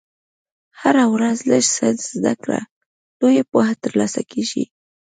هره ورځ لږ څه زده کړه، لویه پوهه ترلاسه کېږي.